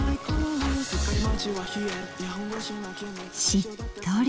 しっとり。